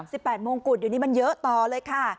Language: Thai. แปดมงกุฎเดี๋ยวนี้มันเยอะต่อเลยค่ะ